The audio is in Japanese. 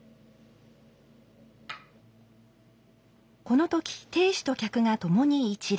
この時亭主と客が共に一礼。